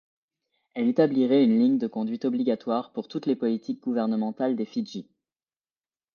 Elle établirait une ligne de conduite obligatoire pour toutes les politiques gouvernementales des Fidji.